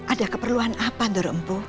ada keperluan apa daur empu